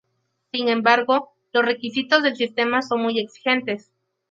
Sin embargo, los requisitos del sistema son muy exigentes.